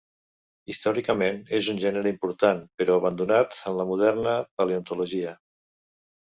Històricament és un gènere important però abandonat en la moderna paleontologia.